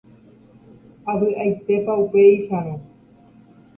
Avy'aitépa upéicharõ